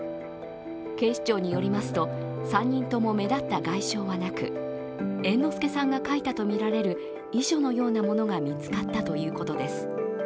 警視庁によりますと３人とも目立った外傷はなく、猿之助さんが書いたと見られる遺書のようなものが見つかったということです。